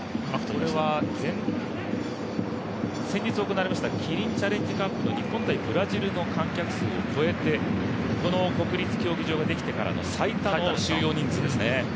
これは先日行われましたキリンチャレンジカップ日本×ブラジルの観客数を超えて、この国立競技場ができてからの最多の収容人数ですね。